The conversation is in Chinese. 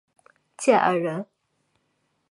建安人。